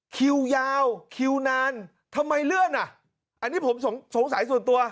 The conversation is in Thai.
คิวยาวคิวนานทำไมเลื่อนอ่ะอันนี้ผมสงสัยส่วนตัว